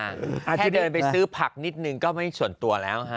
แค่เดินไปซื้อผักนิดหนึ่งก็ไม่มีส่วนตัวแล้ว